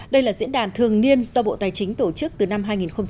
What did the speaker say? đây là diễn đàn thường niên do bộ tài chính tổ chức từ năm hai nghìn một mươi